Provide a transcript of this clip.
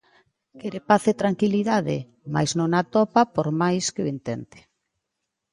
Quere paz e tranquilidade, mais non a atopa por máis que o intente.